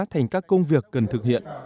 thành các công việc cần thực hiện